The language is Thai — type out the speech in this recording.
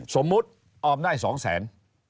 สมมุติออมได้๒แสน